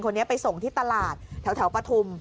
คนนี้ไปส่งที่ตลาดแถวปฐุม